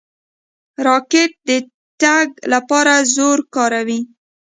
راکټ د تګ لپاره زور کاروي.